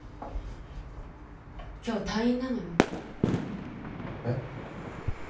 今日退院なのよえッ？